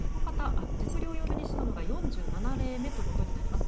自宅療養中に死亡したのは４７例目ということになります。